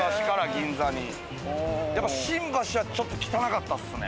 やっぱ新橋はちょっと汚かったですね。